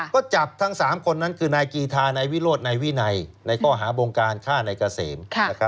ก็จับทั้ง๓คนนั้นคือนายกีธานายวิโรธนายวินัยในข้อหาบงการฆ่านายเกษม